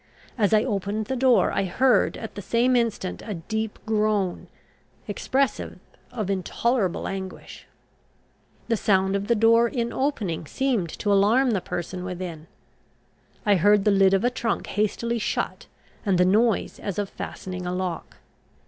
As I opened the door, I heard at the same instant a deep groan, expressive of intolerable anguish. The sound of the door in opening seemed to alarm the person within; I heard the lid of a trunk hastily shut, and the noise as of fastening a lock.